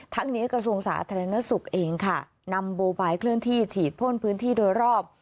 ทั้งนี้กระทรวงสาธารณสุขเองค่ะนำโบบายเคลื่อนที่ฉีดพ่นพื้นที่โดยรอบ